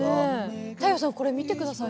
太陽さんこれ見てください。